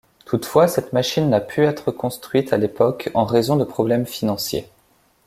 Toutefois, cette machine n'a pu être construite à l'époque en raison de problèmes financiers.